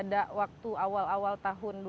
misalnya contohnya waktu awal tahun ini